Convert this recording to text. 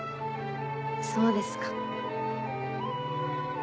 そうですか。